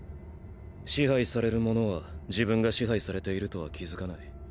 支配されるものは自分が支配されているとは気づかない。